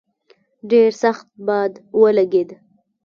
ډېر سخت باد ولګېد.